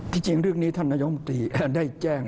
ที่จริงเรื่องนี้ท่านนายองค์มฤตรีได้แจ้ง